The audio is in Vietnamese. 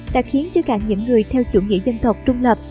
đã khiến cho cả những người theo chủ nghĩa dân tộc trung lập